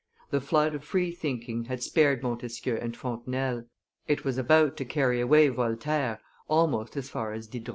The flood of free thinking had spared Montesquieu and Fontenelle; it was about to carry away Voltaire almost as far as Diderot.